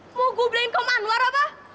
mau gue beliin kau manwar apa